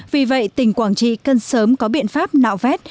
vì vậy tỉnh quảng trị cần sớm có biện pháp nạo vét